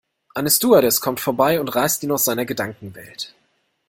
Eine Stewardess kommt vorbei und reißt ihn aus seiner Gedankenwelt.